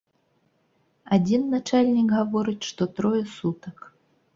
Адзін начальнік гаворыць, што трое сутак.